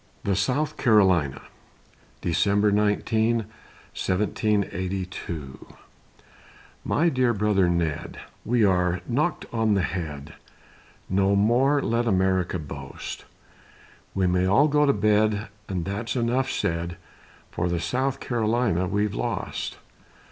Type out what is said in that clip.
THE SOUTH CAROLINA [December 19, 1782] My dear brother Ned, We are knock'd on the head, No more let America boast; We may all go to bed, And that's enough said, For the South Carolina we've lost.